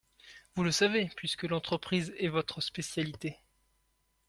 Vous le savez, puisque l’entreprise est votre spécialité.